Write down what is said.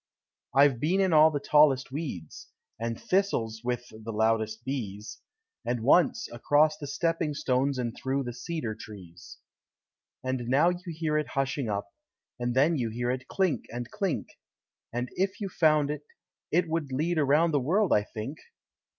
I've been in all the tallest weeds, And thistles (with the loudest bees); And once, across the stepping stones And through the cedar trees. And now you hear it hushing up, And then you hear it clink and clink; And if you found it, it would lead Around the world, I think!